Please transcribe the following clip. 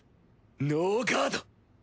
ノーガード！